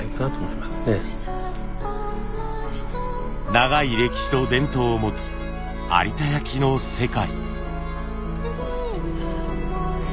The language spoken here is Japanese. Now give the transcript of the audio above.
長い歴史と伝統を持つ有田焼の世界。